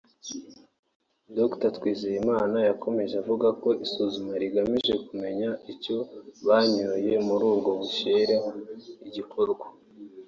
Dr Twizeyimana yakomeje avuga ko isuzuma rigamije kumenya icyo banyoye muri ubwo bushera rigikorwa